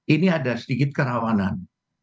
ini ada sedikit kerawanan